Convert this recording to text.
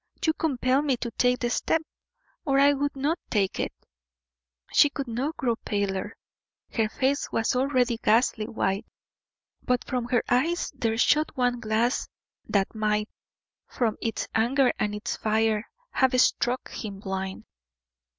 You compel me to take the step, or I would not take it." She could not grow paler; her face was already ghastly white; but from her eyes there shot one glance that might, from its anger and its fire, have struck him blind.